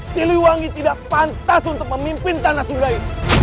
siliwangi tidak pantas untuk memimpin tanah sungai